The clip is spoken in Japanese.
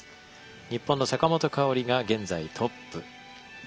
日本の坂本花織が現在トップ。